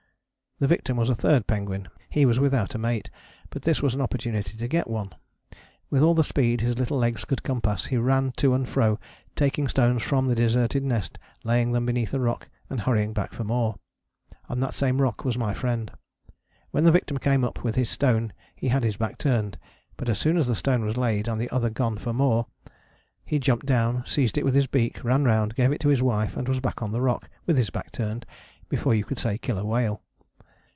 The victim was a third penguin. He was without a mate, but this was an opportunity to get one. With all the speed his little legs could compass he ran to and fro, taking stones from the deserted nest, laying them beneath a rock, and hurrying back for more. On that same rock was my friend. When the victim came up with his stone he had his back turned. But as soon as the stone was laid and the other gone for more, he jumped down, seized it with his beak, ran round, gave it to his wife and was back on the rock (with his back turned) before you could say Killer Whale.